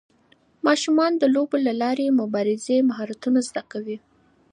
ماشومان د لوبو له لارې د مبارزې مهارتونه زده کوي.